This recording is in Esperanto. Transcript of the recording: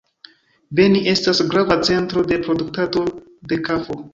Beni estas grava centro de produktado de kafo.